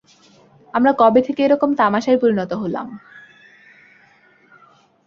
আমরা কবে থেকে এরকম তামাশায় পরিণত হলাম?